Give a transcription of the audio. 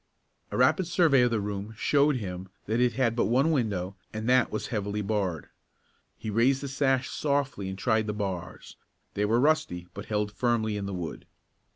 A rapid survey of the room showed him that it had but one window and that was heavily barred. He raised the sash softly and tried the bars. They were rusty but held firmly in the wood.